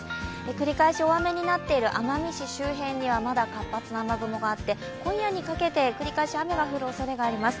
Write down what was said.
繰り返し大雨になっている奄美市周辺にはまだ活発な雨雲があって今夜にかけて繰り返し雨の降る可能性があります。